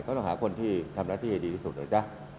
ก็ต้องหาคนที่ทำหน้าที่ดีที่สุด